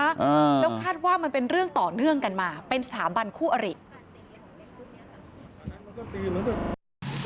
อ่าแล้วคาดว่ามันเป็นเรื่องต่อเนื่องกันมาเป็นสถาบันคู่อริ